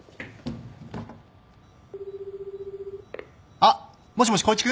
あっもしもし光一君？